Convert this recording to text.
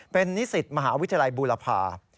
เป็นนิสิตมหาวิทยาลัยบูรพา